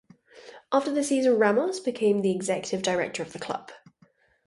After the season, Ramos became the executive director of the club.